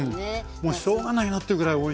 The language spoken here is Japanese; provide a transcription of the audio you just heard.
もう「しょうが」ないなってぐらいおいしいわ。